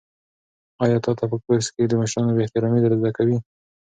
آیا تا ته په کورس کې د مشرانو بې احترامي در زده کوي؟